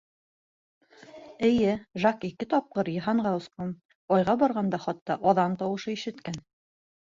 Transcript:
Эйе, Жак ике тапҡыр йыһанға осҡан, Айға барғанында хатта аҙан тауышы ишеткән.